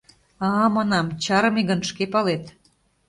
— А, — манам, — чарыме гын, шке палет.